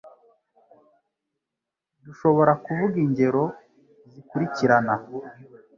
Dushobora kuvuga ingero zikurikirana